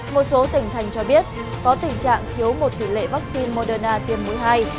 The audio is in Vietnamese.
một số tỉnh thành cho biết có tình trạng thiếu một tỷ lệ vaccine moderna tiêm mũi hai